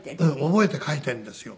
覚えて書いてるんですよ。